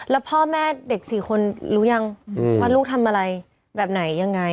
แล้วพ่อแม่เด็ก๔คนรู้ยังว่าลูกทำอะไรแบบไหนยังไง